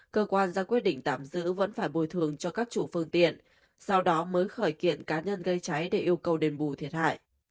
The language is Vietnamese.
cơ quan ra quyết định tạm giữ vẫn phải bồi thường cho các chủ phương tiện sau đó mới khởi kiện cá nhân gây cháy để yêu cầu đền bù thiệt hại